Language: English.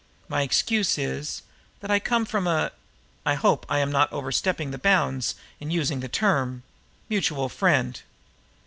My excuse is that I come from a I hope I am not overstepping the bounds in using the term mutual friend."